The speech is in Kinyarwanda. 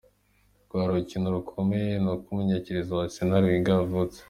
"Rwari urukino rukomeye," ni ko umumenyereza wa Arsenal, Wenger yavuze.